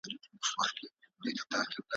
د زمان پر پستو رېګو یې ښکاریږي قدمونه `